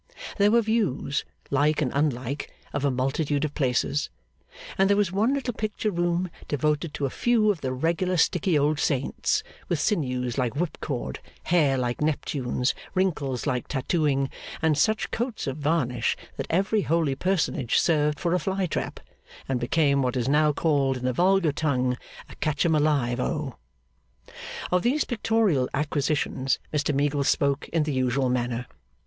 There were views, like and unlike, of a multitude of places; and there was one little picture room devoted to a few of the regular sticky old Saints, with sinews like whipcord, hair like Neptune's, wrinkles like tattooing, and such coats of varnish that every holy personage served for a fly trap, and became what is now called in the vulgar tongue a Catch em alive O. Of these pictorial acquisitions Mr Meagles spoke in the usual manner.